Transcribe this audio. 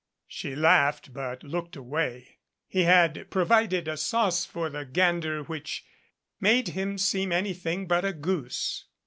She laughed but looked away. He had provided a sauce for the gander which made him seem anything but a goose.